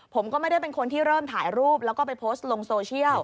ผมก็ไม่ได้เป็นคนที่เริ่มถ่ายรูปแล้วก็ไปโพสต์ลงโซเชียล